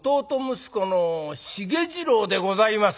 息子の繁二郎でございます」。